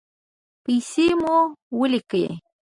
پیسې مو ولیکئ